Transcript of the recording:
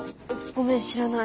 ごめん知らない。